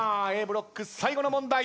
ブロック最後の問題。